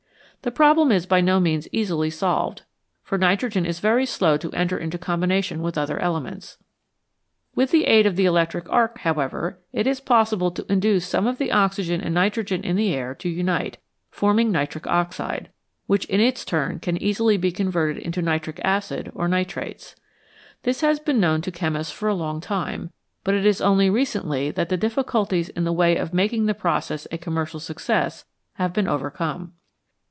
The problem is by no means easily solved, for nitrogen is very slow to enter into combination with other elements. With the aid of the electric arc, however, it is possible to induce some of the oxygen and nitrogen in the air to unite, forming nitric oxide, which in its turn can easily be converted into nitric acid or nitrates. This has been known to chemists for a long time, but it is only recently that the difficulties in the way of making the process a commercial success have been overcome.